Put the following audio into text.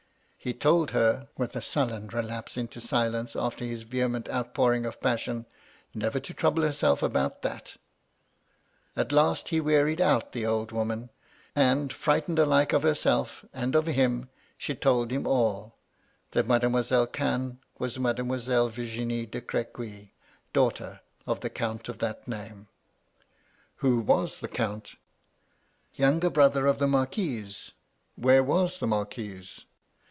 He told her, with a sullen relapse into silence after his vehement outpouring of passion, never to trouble herself about that At last he wearied out the old woman, and, frightened alike of herself, and of him, she told him all, — that Mam'selle Cannes was Mademoiselle Virginia de Crequy, daughter of the Count of that name. Who was the Count? Younger brother of the Marquis. Where was the Marquis ?